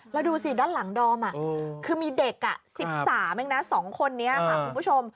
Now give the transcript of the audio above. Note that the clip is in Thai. แล้วดูสิด้านหลังดอมคือมีเด็ก๑๓เองนะ๒คนนี้ค่ะคุณผู้ชม